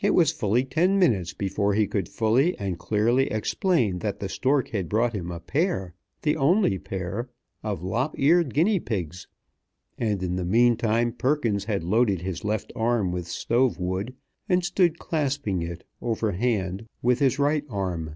It was fully ten minutes before he could fully and clearly explain that the stork had brought him a pair the only pair of lop eared guinea pigs; and in the meantime Perkins had loaded his left arm with stove wood, and stood clasping it, overhand, with his right arm.